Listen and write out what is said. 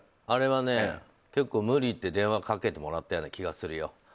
あれは結構、無理言って電話をかけてもらった気がするよ。